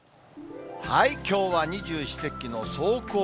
きょうは二十四節気の霜降。